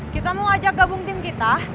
kita mau ajak gabung tim kita